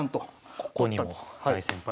ここにも大先輩が。